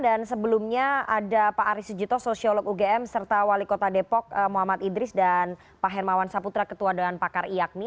dan sebelumnya ada pak arief sujito sosiolog ugm serta wali kota depok muhammad idris dan pak hermawan saputra ketua doan pakar iakmi